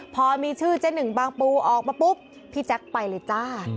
พอมีชื่อเจ๊หนึ่งบางปูออกมาปุ๊บพี่แจ๊คไปเลยจ้า